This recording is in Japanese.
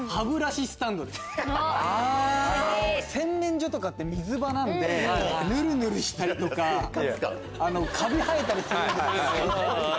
洗面所って水場なんでぬるぬるしたりとかカビ生えたりするんですよ。